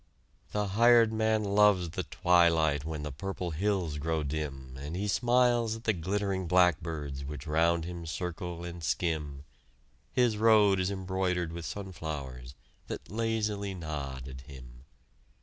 The hired man loves the twilight When the purple hills grow dim, And he smiles at the glittering blackbirds Which round him circle and skim; His road is embroidered with sunflowers That lazily nod at him!